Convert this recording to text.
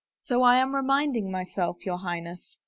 " So I am reminding myself, your Highness."